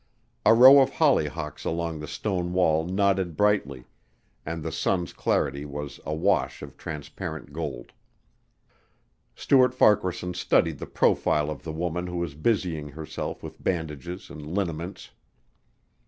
A row of hollyhocks along the stone wall nodded brightly, and the sun's clarity was a wash of transparent gold. Stuart Farquaharson studied the profile of the woman who was busying herself with bandages and liniments.